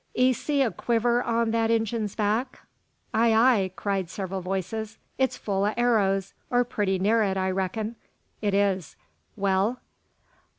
"'Ee see a quiver on that Injun's back?" "Ay, ay!" cried several voices. "It's full o' arrows, or pretty near it, I reckin." "It is. Well?"